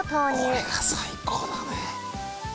これが最高だね。